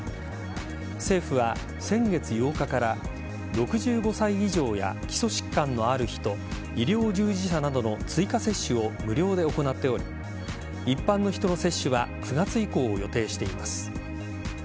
政府は、先月８日から６５歳以上や基礎疾患のある人医療従事者などの追加接種を無料で行っており一般の人の接種は９月以降を予定しています。